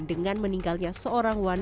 dengan meninggalnya seorang wanita paru bayang